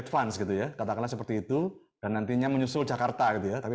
advance gitu ya katakanlah seperti itu dan nantinya menyusul jakarta gitu ya tapi